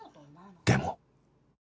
でも